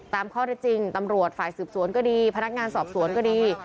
ข้อได้จริงตำรวจฝ่ายสืบสวนก็ดีพนักงานสอบสวนก็ดี